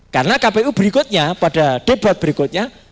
karena kpu berikutnya pada debat berikutnya